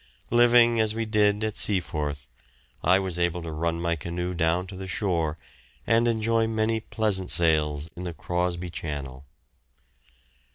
Living, as we did, at Seaforth, I was able to run my canoe down to the shore and enjoy many pleasant sails in the Crosby Channel.